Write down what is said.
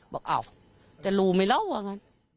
บอกอ้าวจะรู้มั้ยร่วง